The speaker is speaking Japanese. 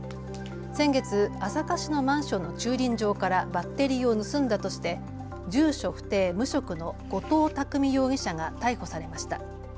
先月、朝霞市のマンションの駐輪場からバッテリーを盗んだとして住所不定、無職の後藤巧容疑者が逮捕されました。